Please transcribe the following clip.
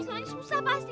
soalnya susah pasti